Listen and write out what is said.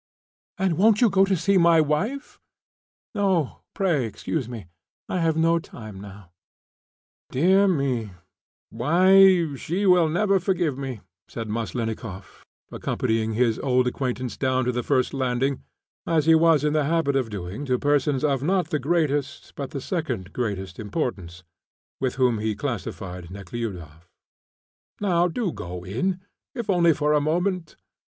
"And won't you go in to see my wife?" "No, pray excuse me; I have no time now." "Dear me, why she will never forgive me," said Maslennikoff, accompanying his old acquaintance down to the first landing, as he was in the habit of doing to persons of not the greatest, but the second greatest importance, with whom he classed Nekhludoff; "now do go in, if only for a moment."